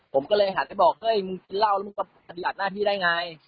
ผมก็เลยหันไปบอกเฮ้ยมึงกินเหล้าแล้วมึงก็ปฏิบัติหน้าที่ได้ไง